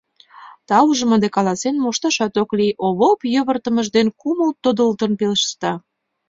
— Таужым ынде каласен мошташат ок лий, — Овоп йывыртымыж дене кумыл тодылтын пелешта.